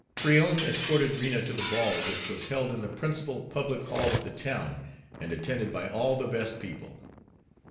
Tryon escorted Rena to the ball, which was held in the principal public hall of the town, and attended by all the best people.